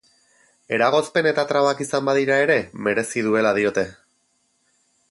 Eragozpen eta trabak izan badira ere, merezi duela diote.